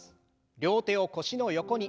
両手を腰の横に。